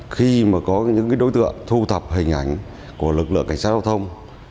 khi mà có những đối tượng thu thập hình ảnh của lực lượng cảnh sát giao thông